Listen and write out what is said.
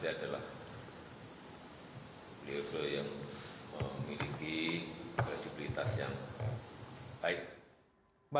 beliau saja yang memiliki kesehatan yang baik